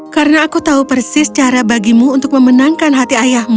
karena aku tahu persis cara bagimu untuk memenangkan hati ayahmu